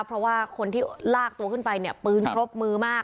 เพราะว่าคนที่ลากตัวขึ้นไปเนี่ยปืนครบมือมาก